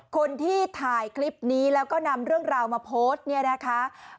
คนที่ถ่ายคลิปนี้แล้วก็นำเรื่องราวมาโพสต์เนี่ยนะคะ